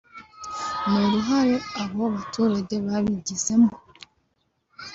n’uruhare abo baturage babigizemo